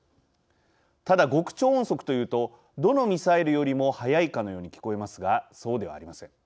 ただ、極超音速というとどのミサイルよりも速いかのように聞こえますがそうではありません。